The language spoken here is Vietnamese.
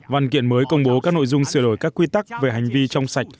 văn kiện mới công bố các nội dung sửa đổi các quy tắc về hành vi trong sạch